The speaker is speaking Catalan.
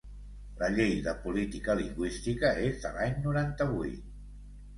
La llei de política lingüística és de l'any noranta-vuit.